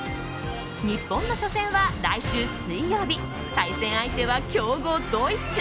日本の初戦は来週水曜日対戦相手は強豪ドイツ。